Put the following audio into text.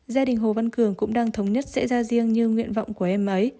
gia đình hồ văn cường cũng đang thống nhất sẽ ra riêng như nguyện vọng của em ấy